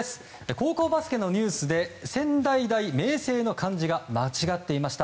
高校バスケのニュースで仙台大明星の漢字が間違っていました。